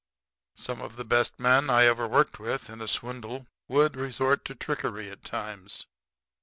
Some of the best men I ever worked with in a swindle would resort to trickery at times.